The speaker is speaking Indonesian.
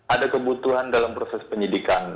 ada kebutuhan dalam proses penyidikan